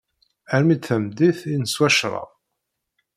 Armi d-tameddit, i neswa crab.